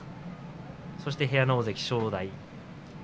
そして部屋の大関、正代。